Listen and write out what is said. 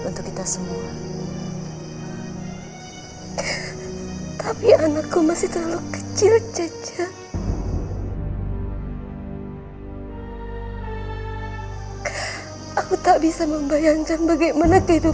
untuk hanya setosek